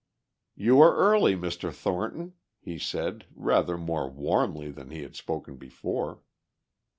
"You are early, Mr. Thornton," he said, rather more warmly than he had spoken before.